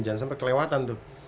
jangan sampai kelewatan tuh